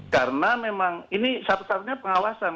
karena memang ini satu satunya pengawasan